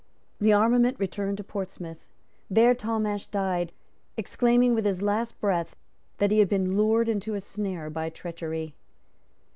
The armament returned to Portsmouth. There Talmash died, exclaiming with his last breath that he had been lured into a snare by treachery.